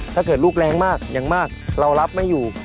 ถ้าเกิดลูกแรงมากอย่างมากเรารับไม่อยู่